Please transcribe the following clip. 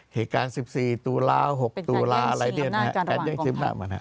เหตุการณ์๑๔ตุลาหรือ๖ตุลาอะไรอย่างนี้